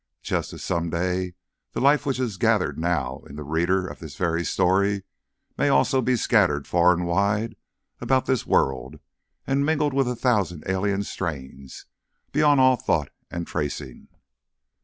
Just as some day the life which is gathered now in the reader of this very story may also be scattered far and wide about this world, and mingled with a thousand alien strains, beyond all thought and tracing.